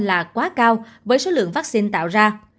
là quá cao với số lượng vaccine tạo ra